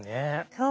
そう。